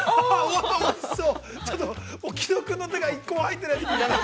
ちょっと、木戸君の手が一個も入ってないですけど。